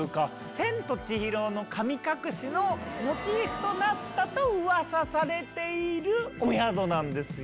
『千と千尋の神隠し』のモチーフとなったとウワサされているお宿なんですよ。